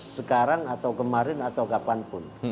sekarang atau kemarin atau kapanpun